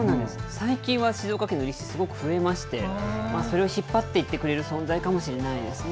最近は静岡県の力士、すごく増えまして、それを引っ張っていってくれる存在かもしれないですね。